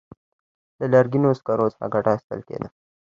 له لرګینو سکرو څخه ګټه اخیستل کېده.